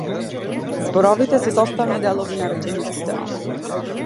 Зборовите се составни делови на речениците.